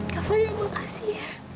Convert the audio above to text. kapan yang makasih ya